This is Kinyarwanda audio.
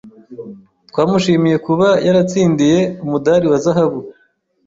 Twamushimiye kuba yaratsindiye umudari wa zahabu.